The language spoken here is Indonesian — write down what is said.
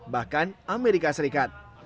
bahkan amerika serikat